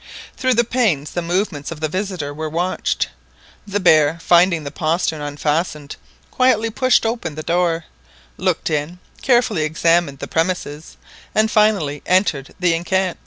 Through the panes the movements of the visitor were watched. The bear, finding the postern unfastened, quietly pushed open the door, looked in, carefully examined the premises, and finally entered the enceinte.